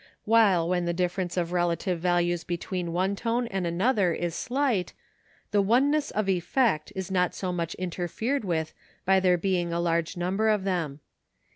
While when the difference of relative values between one tone and another is slight, the oneness of effect is not so much interfered with by there being a large number of them.